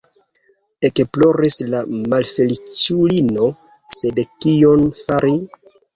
Ekploris la malfeliĉulino, sed kion fari?